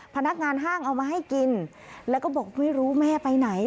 พนักงานห้างเอามาให้กินแล้วก็บอกไม่รู้แม่ไปไหน